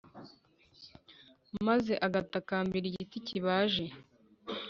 maze agatakambira igiti cyibaje,